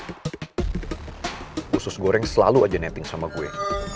jelas jelas dia yang ngajak ribet